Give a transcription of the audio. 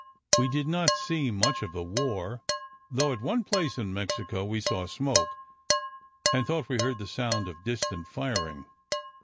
We did not see much of the war, though at one place in Mexico we saw smoke, and thought we heard the sound of distant firing.